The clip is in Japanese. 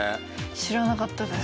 知らなかったです。